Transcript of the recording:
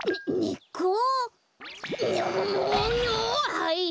はい！